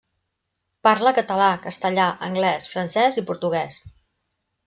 Parla català, castellà, anglès, francès i portuguès.